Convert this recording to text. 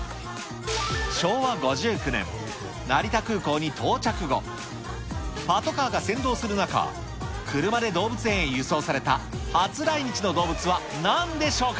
昭和５９年、成田空港に到着後、パトカーが先導する中、車で動物園へ輸送された初来日の動物はなんでしょうか。